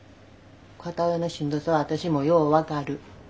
片親のしんどさは私もよう分かる。